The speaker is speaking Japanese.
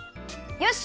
よし！